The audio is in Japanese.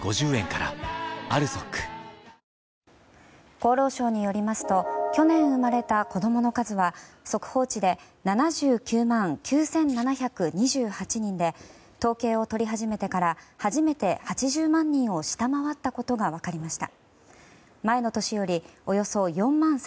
厚労省によりますと去年生まれた子供の数は速報値で７９万９７２８人で統計を取り始めてから初めて８０万人を下回ったことが分かりました。